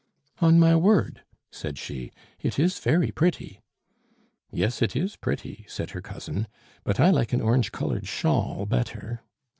"On my word," said she, "it is very pretty." "Yes, it is pretty," said her cousin; "but I like an orange colored shawl better.